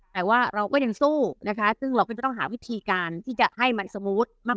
แต่ว่าเราก็ยังสู้นะคะซึ่งเราก็จะต้องหาวิธีการที่จะให้มันสมูทมาก